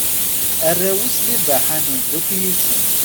Arraw-is d ibaḥanen, d ukyisen.